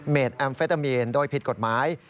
แอมเฟตามีนโดยผิดกฎหมาย